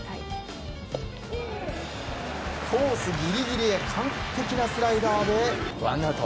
コースギリギリへ完璧なスライダーでワンアウト。